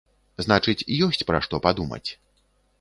Значыць, ёсць пра што падумаць.